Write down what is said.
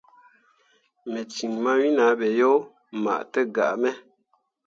Me cin mawen ah ɓe yo mah tǝgaa me.